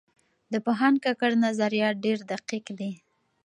د پوهاند کاکړ نظریات ډېر دقیق دي.